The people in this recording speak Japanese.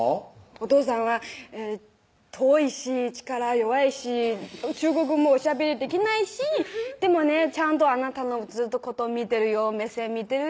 お父さんは「遠いし力弱いし中国語もおしゃべりできないしでもねちゃんとあなたのこと見てるよ目線見てるよ」